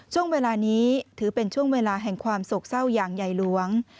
ช่วงเวลานี้ถือเป็นช่วงเวลาแห่งความโศกเศร้าอย่างใหญ่หลวง